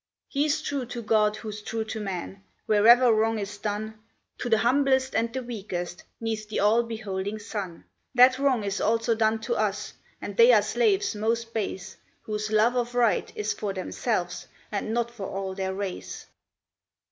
He's true to God who's true to man; wherever wrong is done, To the humblest and the weakest, neath the all beholding sun, That wrong is also done to us; and they are slaves most base, Whose love of right is for themselves, and not for all their race.